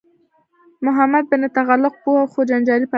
محمد بن تغلق پوه خو جنجالي پاچا و.